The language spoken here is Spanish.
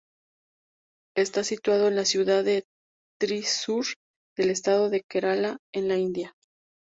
Está situado en la ciudad de Thrissur, del estado de Kerala en la India.